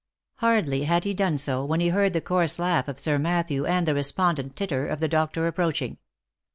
Hardly had he done so, when he heard the coarse laugh of Sir Matthew and the respondent titter of the doctor approaching.